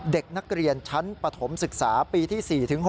เด็กนักเรียนชั้นปฐมศึกษาปีที่๔๖